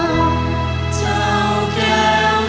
เจ้าแก่วตาบนใจอยากให้รู้ว่า